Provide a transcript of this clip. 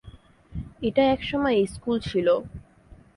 এটা এক সময় স্কুল ছিল।